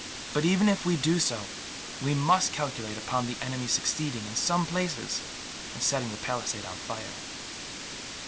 But even if we do so, we must calculate upon the enemy succeeding, in some places, in setting the palisades on fire."